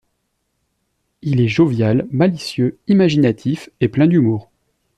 Il est jovial, malicieux, imaginatif et plein d'humour.